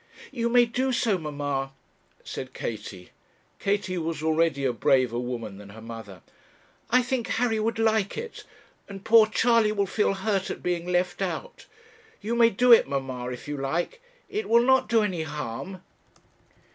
'You may do so, mamma,' said Katie. Katie was already a braver woman than her mother. 'I think Harry would like it, and poor Charley will feel hurt at being left out; you may do it, mamma, if you like; it will not do any harm.'